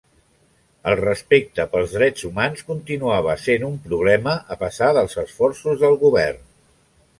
El respecte pels drets humans continuava sent un problema a pesar dels esforços del govern.